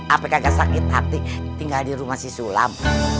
apa kagak sakit hati tinggal di rumah si sulam